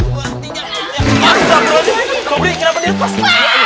enggak coba dulu diri diri ayo nah